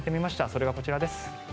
それがこちらです。